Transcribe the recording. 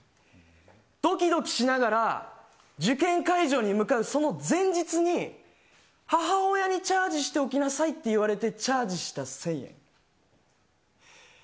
どきどきしながら受験会場に向かうその前日に、母親にチャージしておきなさいって言われてチャージした１０００円。